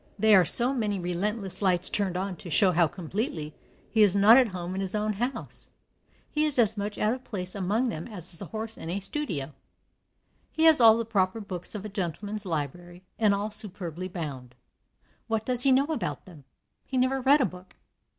They are so many relentless lights turned on to show how completely he is not at home in his own house. He is as much out of place among them as a horse in a studio. He has all the proper books of a gentleman's library, and all superbly bound. What does he know about them? He never read a book.